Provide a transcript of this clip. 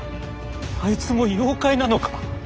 あいつも妖怪なのか？